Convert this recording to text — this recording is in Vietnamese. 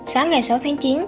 sáng ngày sáu tháng chín